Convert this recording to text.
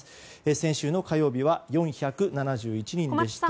先週の火曜日は４７１人でした。